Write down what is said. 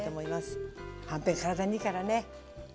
はんぺん体にいいからね。